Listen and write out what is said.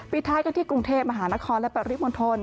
ท้ายกันที่กรุงเทพมหานครและปริมณฑล